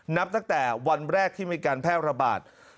นับตั้งแต่วันแรกที่มีการแพร่ระบาด